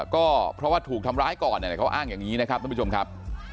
ก็เพราะว่าถูกทำร้ายก่อนเขาอ้างอย่างนี้นะครับท่านผู้ชมครับ